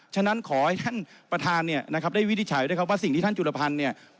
ฉะนั้นขอให้ท่านประธานเนี่ยนะครับได้วินิจฉัยด้วยครับว่าสิ่งที่ท่านจุลภัณฑ์เนี่ย